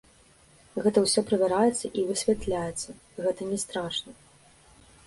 Гэта ўсё правяраецца і высвятляецца, гэта не страшна.